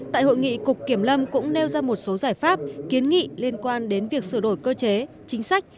tại hội nghị cục kiểm lâm cũng nêu ra một số giải pháp kiến nghị liên quan đến việc sửa đổi cơ chế chính sách